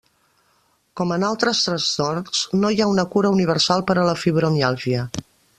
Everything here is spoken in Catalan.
Com en altres trastorns, no hi ha una cura universal per a la fibromiàlgia.